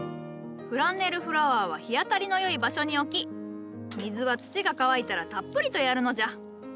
フランネルフラワーは日当たりのよい場所に置き水は土が乾いたらたっぷりとやるのじゃ。